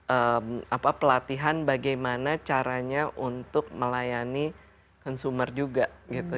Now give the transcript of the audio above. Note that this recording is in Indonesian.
mendapat pelatihan bagaimana caranya untuk melayani konsumer juga